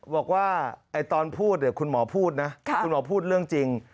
บอกว่าตอนพูดคุณหมอพูดนะคุณหมอพูดเรื่องจริง